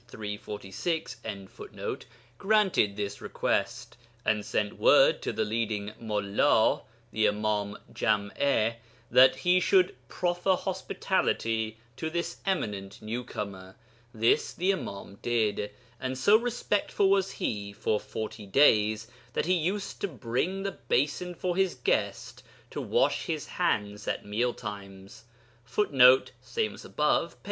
346.] granted this request, and sent word to the leading mullā (the Imām Jam'a) that he should proffer hospitality to this eminent new comer. This the Imām did, and so respectful was he for 'forty days' that he used to bring the basin for his guest to wash his hands at mealtimes. [Footnote: Ibid. p.